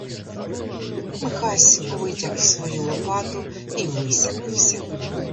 Михась витяг свою лопату і висякався.